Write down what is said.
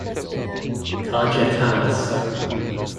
Kaja Kallas.